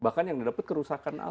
bahkan yang dapat kerusakan alam